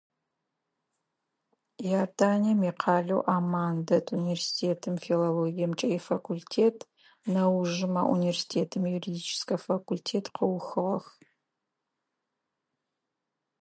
Иорданием икъалэу Амман дэт университетым филологиемкӏэ ифакультет, нэужым а университетым июридическэ факультет къыухыгъэх.